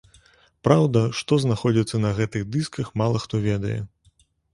Праўда, што знаходзіцца на гэтых дысках мала хто ведае.